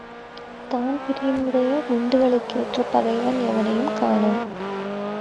தான்பிரீனுடைய குண்டுகளுக்கேற்ற பகைவன் எவனையும் காணோம்.